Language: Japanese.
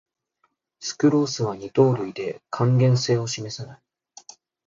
スクロースは二糖類で還元性を示さない